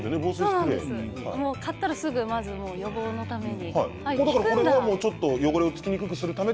買ったらすぐまず予防のために。